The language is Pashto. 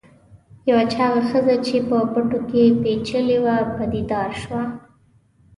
یوه چاغه ښځه چې په پټو کې پیچلې وه پدیدار شوه.